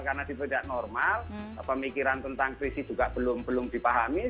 karena situasi tidak normal pemikiran tentang krisis juga belum dipahami